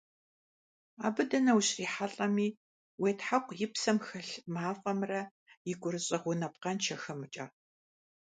Абы дэнэ ущрихьэлӀэми, уетхьэкъу и псэм хэлъ мафӀэмрэ и гурыщӀэ гъунапкъэншэхэмкӀэ.